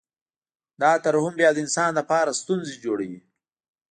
دا ترحم بیا د انسان لپاره ستونزې جوړوي